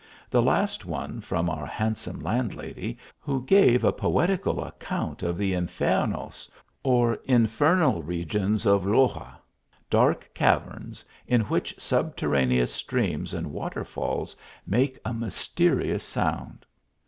The last on* from our handsome landlady, who gave a poeti cal account of the infiernos, or infernal regions of Loxa dark caverns, in which subterraneous streams and waterfalls make a mysterious sound.